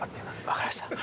分かりました。